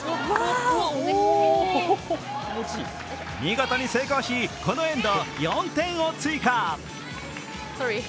見事に成功し、このエンド４点を追加。